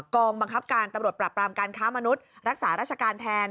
กองบังคับการตำรวจปรับปรามการค้ามนุษย์รักษาราชการแทน